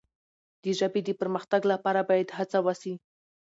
د ژبې د پرمختګ لپاره باید هڅه وسي.